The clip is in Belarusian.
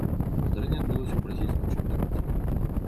Здарэнне адбылося ў бразільскім чэмпіянаце.